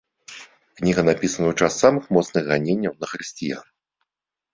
Кніга напісана ў час самых моцных ганенняў на хрысціян.